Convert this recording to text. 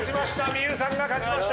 望結さんが勝ちました。